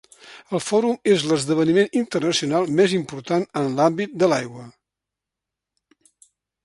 El Fòrum és l'esdeveniment internacional més important en l'àmbit de l'aigua.